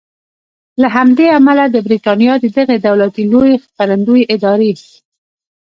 او له همدې امله د بریټانیا د دغې دولتي لویې خپرندویې ادارې